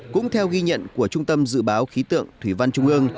cũng theo ghi nhận của trung tâm dự báo khí tượng thủy văn trung ương